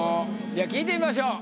じゃあ聞いてみましょう。